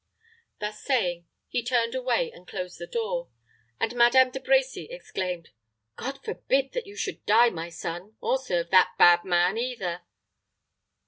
Thus saying, he turned away and closed the door; and Madame De Brecy exclaimed, "God forbid that you should die, my son, or serve that bad man either."